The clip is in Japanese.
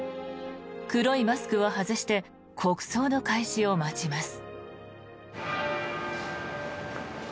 黒いマスクは外して国葬の開始を待ちます。